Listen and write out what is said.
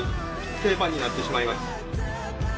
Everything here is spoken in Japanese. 定番になってしまいました